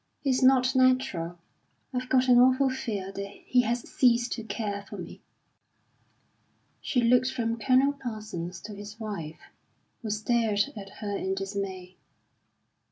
He's not natural. I've got an awful fear that he has ceased to care for me." She looked from Colonel Parsons to his wife, who stared at her in dismay.